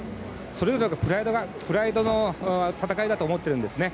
それぐらいプライドの戦いだと思っているんですね。